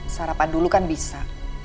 sarapan dulu kan bisa